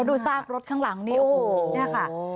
รอดมาได้นะคะ